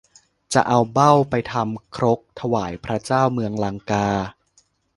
จะเอาเบ้าไปทำครกถวายพระเจ้าเมืองลังกา